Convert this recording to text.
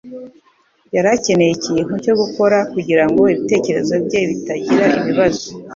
yari akeneye ikintu cyo gukora kugirango ibitekerezo bye bitagira ibibazo.